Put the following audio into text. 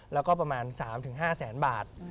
แล้วก็ประมาณ๓๕แสนบาท